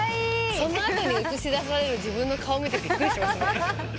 その後に映し出される自分の顔見てびっくりしますね。